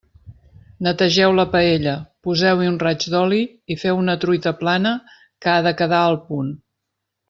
Netegeu la paella, poseu-hi un raig d'oli i feu una truita plana que ha de quedar al punt.